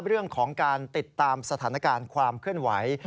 เรื่องของการติดตามสถานการณ์ความเคลื่อนไหว